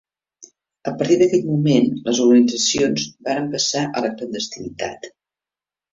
A partir d'aquell moment les organitzacions varen passar a la clandestinitat.